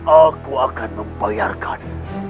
aku akan membayarkan